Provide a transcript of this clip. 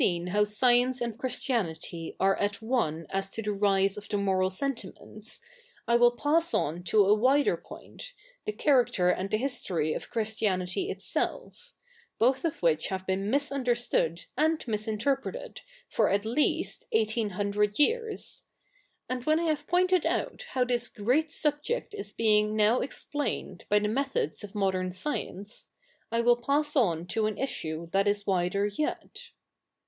i how science a?td Christi anity a7'e at one as to the rise of the moral sentimefits^ I will pass on to a wider pointy the character and the history of Christianity itself both of which have beeti misunderstood a?id misinterpreted for at least eighteen hundred years , and when I have poifited out how this great subject is being now explained by the methods of modern science^ I will pass on to an issue that is wider yet.